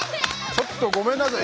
ちょっとごめんなさい。